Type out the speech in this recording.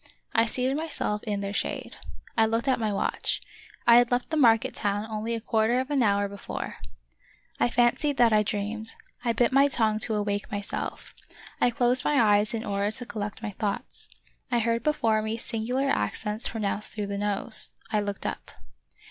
I seated myself in their shade. I looked at my watch ; I had left the market town only a quarter of an hour be fore. I fancied that I dreamed ; I bit my tongue to awake myself. I closed my eyes in order to collect my thoughts. I heard before me singu lar accents pronounced through the nose. I looked up.